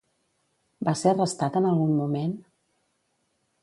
Va ser arrestat en algun moment?